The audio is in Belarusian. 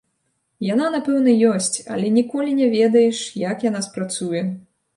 Яна, напэўна, ёсць, але ніколі не ведаеш, як яна спрацуе.